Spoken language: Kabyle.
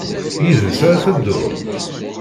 Yid-s ara ad tedduḍ?